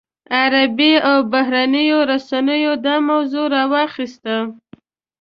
عربي او بهرنیو رسنیو دا موضوع راواخیسته.